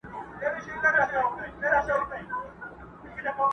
o يوه ويل څه وخورم ، بل ويل په چا ئې وخورم٫